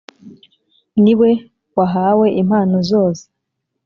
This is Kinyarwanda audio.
Niwe wahawe impano zose